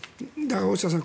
大下さん